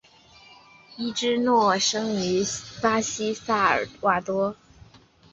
伊芝诺生于巴西萨尔瓦多。